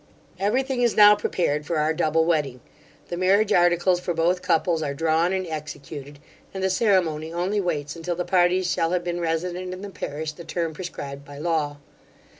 Every thing is now prepared for our double wedding. The marriage articles for both couples are drawn and executed; and the ceremony only waits until the parties shall have been resident in the parish the term prescribed by law.